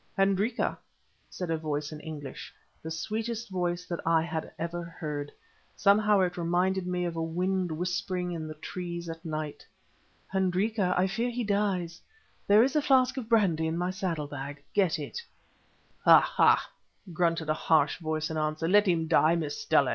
"Hendrika," said a voice in English, the sweetest voice that I had ever heard; somehow it reminded me of wind whispering in the trees at night. "Hendrika, I fear he dies; there is a flask of brandy in my saddle bag; get it." "Ah! ah!" grunted a harsh voice in answer; "let him die, Miss Stella.